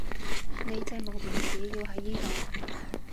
你隻無名指要喺呢度